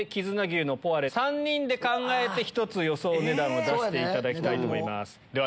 ３人で考えて１つ予想値段を出していただきたいと思います。